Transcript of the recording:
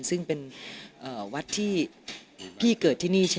สำหรับพระอาทิตย์